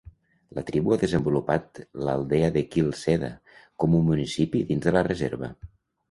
La tribu ha desenvolupat l'aldea de Quil Ceda com un municipi dins de la reserva.